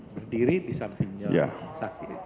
berdiri di sampingnya saksi